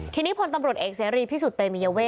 ทีนี้พลตำรวจเอกเสรีพิสุทธิเตมียเวท